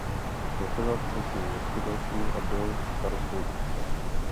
Zasedal v obecním zastupitelstvu a byl starostou obce.